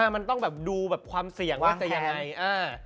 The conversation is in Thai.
มันต้องดูความเสี่ยงว่าจะยังไง